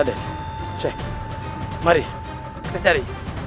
raden shek mari kita cari